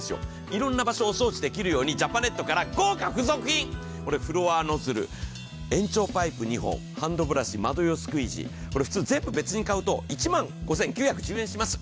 いろんな場所がお掃除できるように、ジャパネットから豪華付属品、フロアノズル、延長パイプ２本、ハンドブラシ、窓用スクイージーこれ普通、全部別に買うと１万５９１０円します。